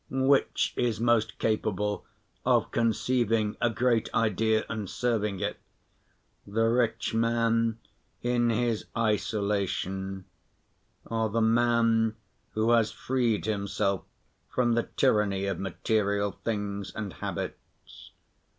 Which is most capable of conceiving a great idea and serving it—the rich man in his isolation or the man who has freed himself from the tyranny of material things and habits?